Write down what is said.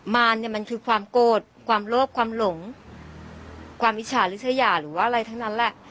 มารเนี่ยมันคือความโกรธความโลภความหลงความอิจฉาริชยาหรือว่าอะไรทั้งนั้นแหละ